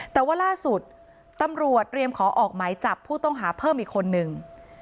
แต่ว่าล่าสุดตำรวจเตรียมขอออกหมายจับผู้ต้องหาเพิ่มอีกคนนึง